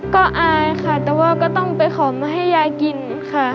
ก็อายค่ะแต่ว่าก็ต้องไปขอมาให้ยายกินค่ะ